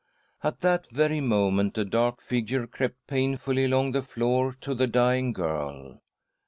At that very moment a dark figure crept painfully along the floor to the dying girl.